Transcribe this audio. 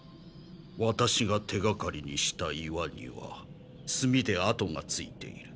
ワタシが手がかりにした岩にはすみであとがついている。